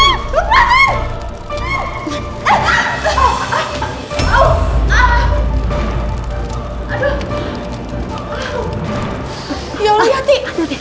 ya allah hati hati